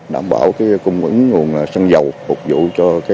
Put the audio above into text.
đảm bảo cung ứng nguồn xăng dầu phục vụ cho phát triển kinh tế